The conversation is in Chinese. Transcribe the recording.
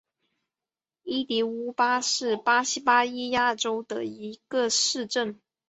伊蒂乌巴是巴西巴伊亚州的一个市镇。